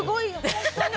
本当に。